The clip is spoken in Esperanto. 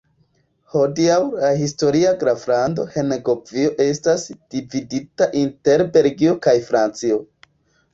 Hodiaŭ la historia graflando Henegovio estas dividita inter Belgio kaj Francio.